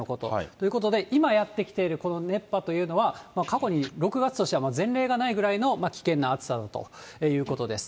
ということで、今、やって来ているこの熱波というのは、過去に６月としては前例がないくらいの危険な暑さだということです。